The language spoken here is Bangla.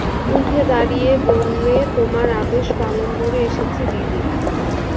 উঠে দাঁড়িয়ে বললে, তোমার আদেশ পালন করে এসেছি দিদি।